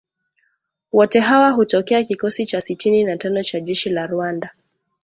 Wote hawa hutokea kikosi cha sitini na tano cha jeshi la Rwanda